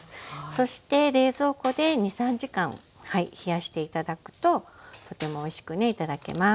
そして冷蔵庫で２３時間冷やして頂くととてもおいしくね頂けます。